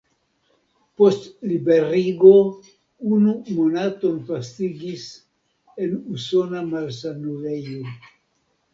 Post liberigo unu monaton pasigis en usona malsanulejo.